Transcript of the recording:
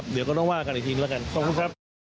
เดี๋ยวก็ต้องว่ากันอีกทีแล้วกันขอบคุณครับ